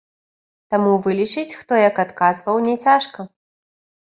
Таму вылічыць, хто як адказваў, няцяжка.